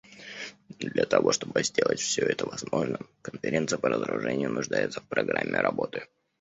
Для того чтобы сделать все это возможным, Конференция по разоружению нуждается в программе работы.